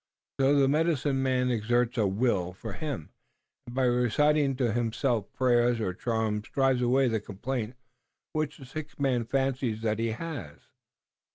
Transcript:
So the medicine man exerts a will for him and by reciting to himself prayers or charms drives away the complaint which the sick man fancies that he has.